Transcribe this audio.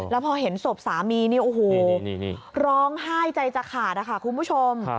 แล้วพอเห็นศพสามีนี่โอ้โหร้องไห้ใจจะขาดนะคะคุณผู้ชม